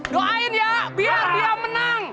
doain ya biar dia menang